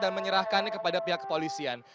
dan menyerahkan kepada pihak kepolisian